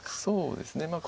そうですね。